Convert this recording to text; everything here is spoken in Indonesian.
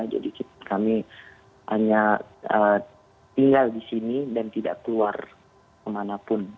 jadi kami hanya tinggal di sini dan tidak keluar kemanapun